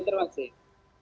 gue terima kasih